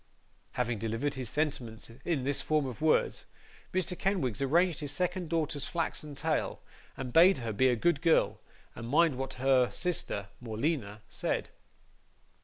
Having delivered his sentiments in this form of words, Mr. Kenwigs arranged his second daughter's flaxen tail, and bade her be a good girl and mind what her sister, Morleena, said.